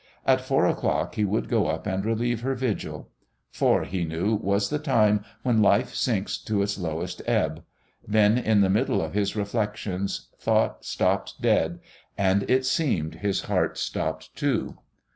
At four o'clock he would go up and relieve her vigil. Four, he knew, was the time when life sinks to its lowest ebb.... Then, in the middle of his reflections, thought stopped dead, and it seemed his heart stopped too.